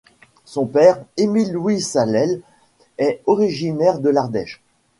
Son père, Émile Louis Salel est originaire de l'Ardèche.